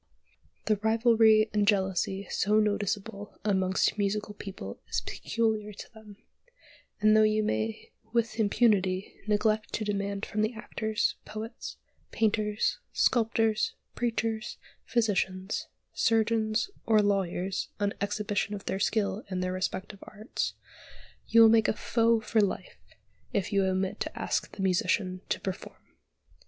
The rivalry and jealousy so noticeable amongst musical people is peculiar to them; and, though you may with impunity neglect to demand from the actors, poets, painters, sculptors, preachers, physicians, surgeons, or lawyers an exhibition of their skill in their respective arts, you will make a foe for life if you omit to ask the musician to perform.